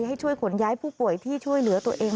ให้ช่วยขนย้ายผู้ป่วยที่ช่วยเหลือตัวเอง